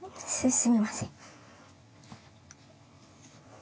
すみません。